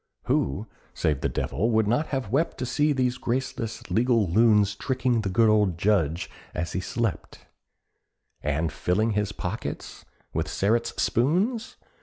Who, save the devil, would not have wept To see these graceless legal loons Tricking the good old Judge as he slept, And filling his pockets with Sterret's spoons?